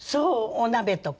お鍋とか。